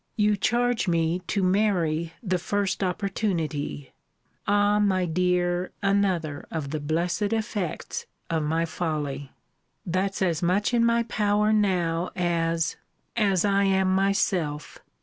You charge me to marry the first opportunity Ah! my dear! another of the blessed effects of my folly That's as much in my power now as as I am myself!